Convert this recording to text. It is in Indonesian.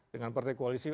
dengan partai koalisi